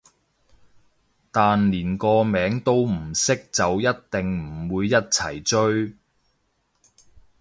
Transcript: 但連個名都唔識就一定唔會一齊追